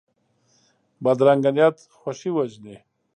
بدرنګه نیت خوښي وژني